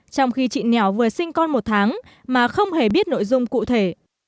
trong khi chị nẻo vừa sinh con một tháng mà không hề biết nội dung cụ thể